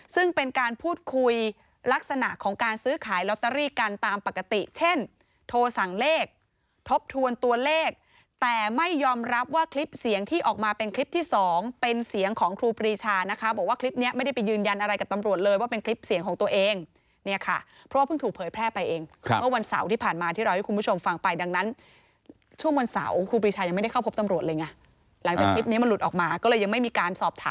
ซึ่งเป็นการพูดคุยลักษณะของการซื้อขายลอตเตอรี่กันตามปกติเช่นโทรสั่งเลขทบทวนตัวเลขแต่ไม่ยอมรับว่าคลิปเสียงที่ออกมาเป็นคลิปที่สองเป็นเสียงของครูปีชานะคะบอกว่าคลิปนี้ไม่ได้ไปยืนยันอะไรกับตำรวจเลยว่าเป็นคลิปเสียงของตัวเองเนี่ยค่ะเพราะว่าเพิ่งถูกเผยแพร่ไปเองวันเสาร์ที่ผ่านมาท